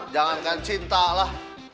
jangan kan cinta lah